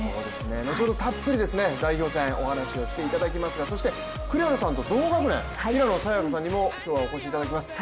後ほど、たっぷり代表戦、お話をしていただきますがそして、栗原さんと同学年、平野早矢香さんにも今日はお越しいただきました。